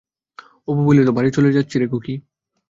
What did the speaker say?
অপু বলিল, বাড়ি চলে যাচ্ছি রে খুকি।